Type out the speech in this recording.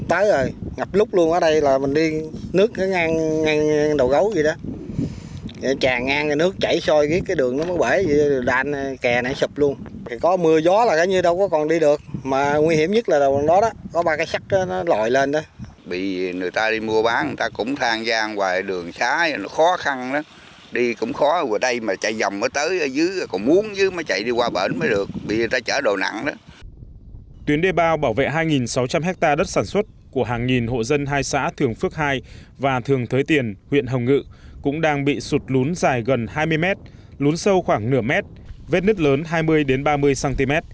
tuyến đề bào bảo vệ hai sáu trăm linh hectare đất sản xuất của hàng nghìn hộ dân hai xã thường phước hai và thường thới tiền huyện hồng ngự cũng đang bị sụt lún dài gần hai mươi mét lún sâu khoảng nửa mét vết nứt lớn hai mươi ba mươi cm